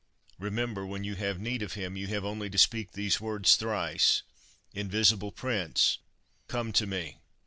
Remember when you have need of him, you have only to speak these words thrice—'Invisible Prince, come to me.